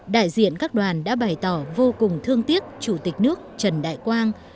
đại diện các đoàn đã bày tỏ vô cùng thương tiếc chủ tịch nước trần đại quang